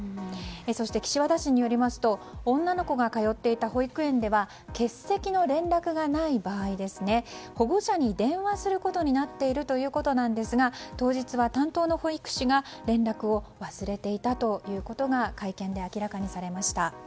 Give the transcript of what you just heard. そして、岸和田市によりますと女の子が通っていた保育園では欠席の連絡がない場合保護者に電話することになっているということですが当日は担当の保育士が連絡を忘れていたということが会見で明らかにされました。